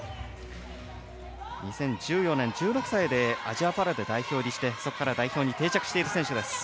２０１４年１６歳でアジアパラに代表入りして、そこから代表に定着している選手です。